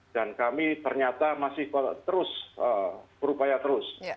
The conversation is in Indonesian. dan kami ternyata masih terus berupaya terus